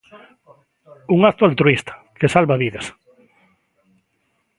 Un acto altruísta, que salva vidas.